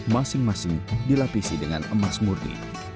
masing masing dilapisi dengan emas murni